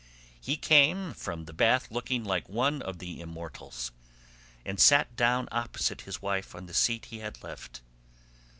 He came from the bath looking like one of the immortals, and sat down opposite his wife on the seat he had left.